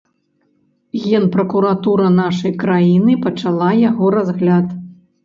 Генпракуратура нашай краіны пачала яго разгляд.